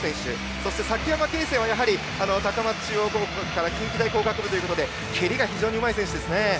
そして、崎山慶成はやはり、高松中央高校から近畿大工学部ということで蹴りが非常にうまい選手ですね。